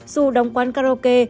dù đóng quán karaoke